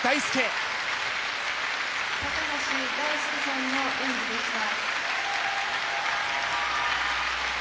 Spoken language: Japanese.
「橋大輔さんの演技でした」。